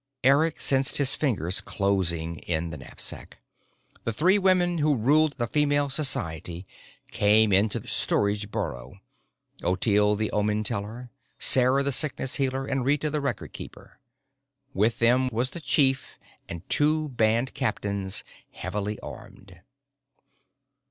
Eric sensed his fingers closing in the knapsack. The three women who ruled the Female Society came into the storage burrow. Ottilie the Omen Teller, Sarah the Sickness Healer and Rita the Record Keeper. With them was the chief and two band captains, heavily armed.